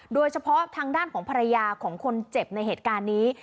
โดยเฉพาะทางด้านของภรรยาของคนเจ็บในเหตุการณ์นี้